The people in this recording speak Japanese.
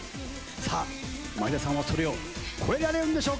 さぁ前田さんはそれを超えられるんでしょうか？